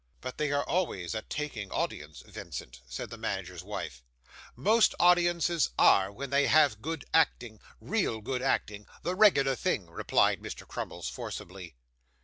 'But they are always a taking audience, Vincent,' said the manager's wife. 'Most audiences are, when they have good acting real good acting the regular thing,' replied Mr. Crummles, forcibly.